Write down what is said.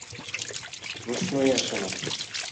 প্রশ্নই আসে না।